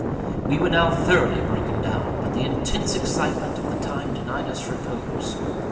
We were now thoroughly broken down; but the intense excitement of the time denied us repose.